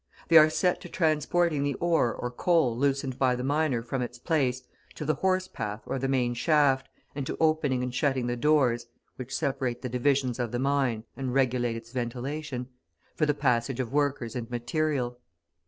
They are set to transporting the ore or coal loosened by the miner from its place to the horse path or the main shaft, and to opening and shutting the doors (which separate the divisions of the mine and regulate its ventilation) for the passage of workers and material.